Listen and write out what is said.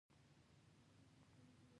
د حکومت لښکرې هم په زرو باندې روږدې دي.